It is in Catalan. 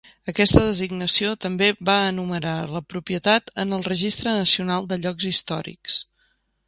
Aquesta designació també va enumerar la propietat en el Registre Nacional de Llocs Històrics.